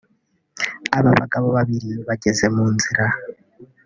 Aba bagabo babiri bageze mu nzira